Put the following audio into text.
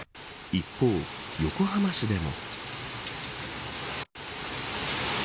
一方、横浜市でも。